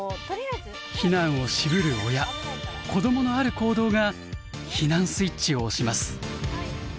避難を渋る親子どものある行動が「避難スイッチ」を押します。